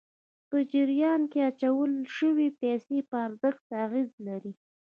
په جریان کې اچول شويې پیسې په ارزښت اغېز لري.